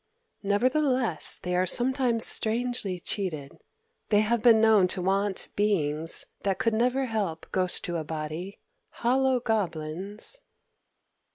Nevertheless they are sometimes strangely cheated. They have been known to want beings that could never help ghost to a body, hollow goblins...."